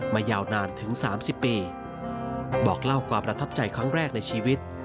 ยาวนานถึง๓๐ปีบอกเล่าความประทับใจครั้งแรกในชีวิต